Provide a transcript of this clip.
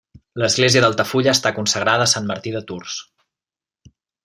L'església d'Altafulla està consagrada a Sant Martí de Tours.